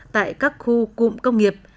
tại các khu cụm công nghiệp